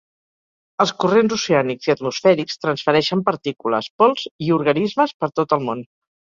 Els corrents oceànics i atmosfèrics transfereixen partícules, pols i organismes per tot el món.